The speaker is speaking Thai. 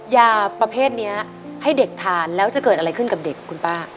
ยาประเภทนี้ให้เด็กทานแล้วจะเกิดอะไรขึ้นกับเด็กคุณป้า